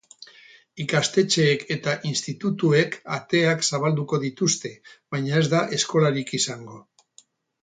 Ikastetxeek eta institutuek ateak zabalduko dituzte, baina ez da eskolarik izango.